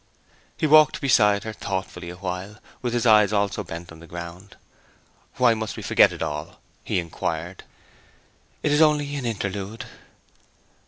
He walked beside her thoughtfully awhile, with his eyes also bent on the road. 'Why must we forget it all?' he inquired. 'It is only an interlude.'